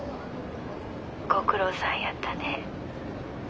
ご苦労さんやったね。